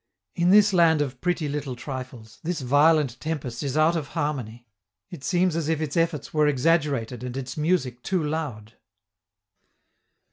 In this land of pretty little trifles, this violent tempest is out of harmony; it seems as if its efforts were exaggerated and its music too loud.